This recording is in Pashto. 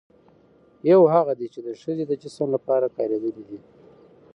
يوهغه دي، چې د ښځې د جسم لپاره کارېدلي دي